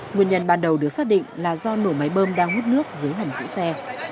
nguyên nhân ban đầu được xác định là do nổ máy bơm đang hút nước dưới hẳn dĩ xe